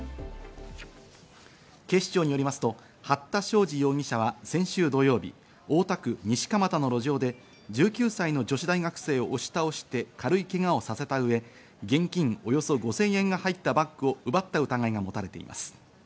警視庁によりますと、八田照治容疑者は先週土曜日、大田区西蒲田の路上で１９歳の女子大学生を押し倒して軽いけがをさせた上、現金およそ５０００円が入ったバッグを奪った疑いが持たれています。